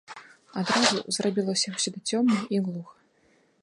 Адразу зрабілася ўсюды цёмна і глуха.